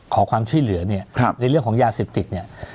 ขอความช่วยเหลือในเรื่องของยาสิบติด